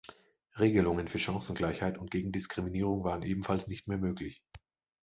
Regelungen für Chancengleichheit und gegen Diskriminierung waren ebenfalls nicht mehr möglich.